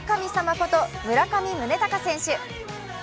こと村上宗隆選手。